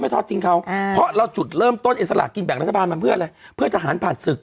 ทอดทิ้งเขาเพราะเราจุดเริ่มต้นไอ้สลากกินแบ่งรัฐบาลมันเพื่ออะไรเพื่อทหารผ่านศึก